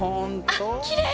あっきれい！